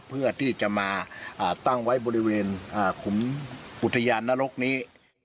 เพื่อที่จะมาตั้งไว้บริเวณขุมอุทยานนรกนี้